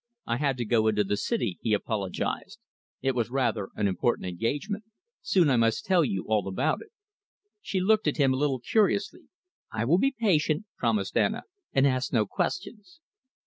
"I had to go into the city," he apologised. "It was rather an important engagement. Soon I must tell you all about it." She looked at him a little curiously. "I will be patient," promised Anna, "and ask no questions."